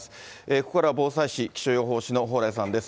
ここからは防災士、気象予報士の蓬莱さんです。